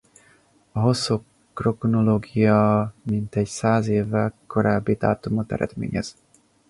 A hosszú kronológia mintegy száz évvel korábbi dátumot eredményez.